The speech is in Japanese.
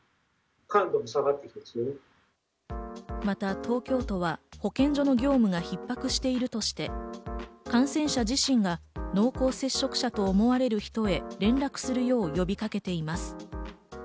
また東京都は保健所の業務が逼迫しているとして、感染者自身が濃厚接触者と思われる人へ連絡するよう呼びかけています。